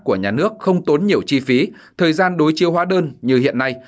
của nhà nước không tốn nhiều chi phí thời gian đối chiêu hóa đơn như hiện nay